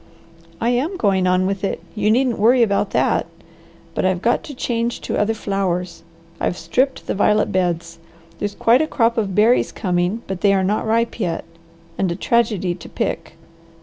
"I am going on with it; you needn't worry about that. But I've got to change to other flowers. I've stripped the violet beds. There's quite a crop of berries coming, but they are not ripe yet, and a tragedy to pick.